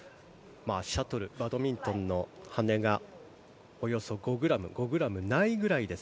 シャトルバドミントンの羽根がおよそ５ｇ５ｇないくらいです。